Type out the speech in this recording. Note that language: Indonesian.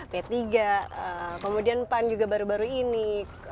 p tiga kemudian pan juga baru baru ini